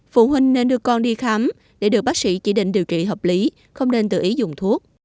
phụ huynh nên đưa con đi khám để được bác sĩ chỉ định điều trị hợp lý không nên tự ý dùng thuốc